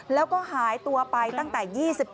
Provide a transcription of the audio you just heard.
แล้วก็หายตัวไปตั้งแต่๒๗